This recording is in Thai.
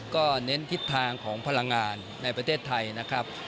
ก็เน้นทิศทางของพลังงานในประเทศไทยนะครับ